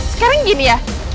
sekarang gini ya